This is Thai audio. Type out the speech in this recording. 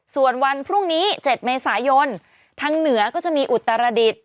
ส่วนวันพรุ่งนี้๗เมษายนทางเหนือก็จะมีอุตรดิษฐ์